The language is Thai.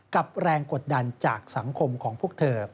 แรงกดดันจากสังคมของพวกเธอ